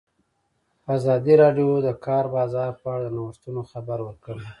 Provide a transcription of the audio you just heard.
ازادي راډیو د د کار بازار په اړه د نوښتونو خبر ورکړی.